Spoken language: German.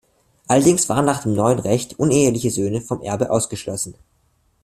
Allerdings waren nach dem neuen Recht uneheliche Söhne vom Erbe ausgeschlossen.